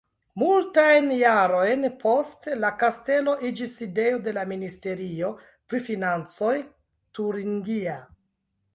Multajn jarojn poste la kastelo iĝis sidejo de la Ministerio pri financoj turingia.